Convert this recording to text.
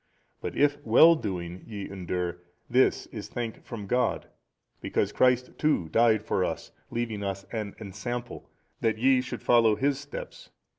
but if well doing ye endure, this is thank from God, because Christ too died for us, leaving us 46 an ensample that ye should follow His steps.